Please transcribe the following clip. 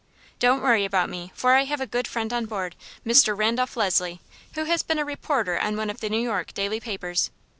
"Don't worry about me, for I have a good friend on board, Mr. Randolph Leslie, who has been a reporter on one of the New York daily papers.